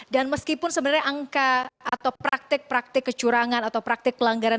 dan meskipun sebenarnya angka atau praktik praktik kecurangan atau praktik pelanggaran